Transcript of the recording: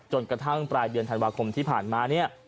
จนกระทั่งปลายเดือนธันวาคมที่ผ่านมาเนี่ย